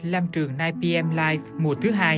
lam trường chín pm live mùa thứ hai